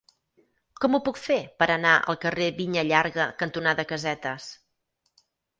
Com ho puc fer per anar al carrer Vinya Llarga cantonada Casetes?